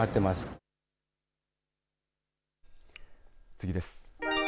次です。